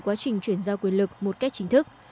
quá trình chuyển giao quyền lực một cách chính thức